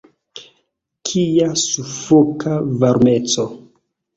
Kia sufoka varmeco!